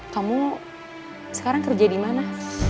kamu sekarang kerja di mana